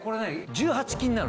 １８金なの？